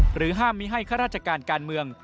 ห้ามไม่ให้ข้าราชการการเมือง